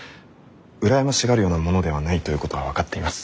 羨ましがるようなものではないということは分かっています。